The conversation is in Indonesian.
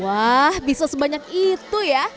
wah bisa sebanyak itu ya